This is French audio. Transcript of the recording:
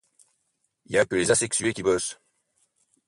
y'a que les asexuées qui bossent.